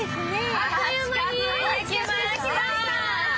あっという間に着きました。